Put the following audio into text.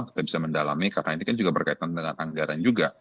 kita bisa mendalami karena ini kan juga berkaitan dengan anggaran juga